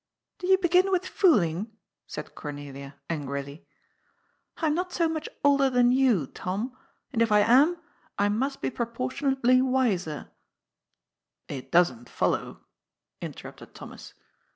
" Do you begin with fooling ?" said Cornelia angrily. " I am not so much older than you, Tom. And if I am, I must be proportionately wiser "" It doesn't follow," interrupted Thomas.